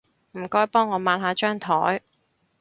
唔該幫我抹下張枱